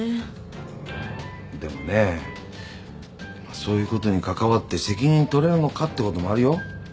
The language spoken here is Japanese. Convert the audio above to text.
でもねそういうことに関わって責任取れるのかってこともあるよ。